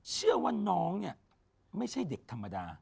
เชื่อว่าน้องเนี่ยไม่ใช่เด็กธรรมดา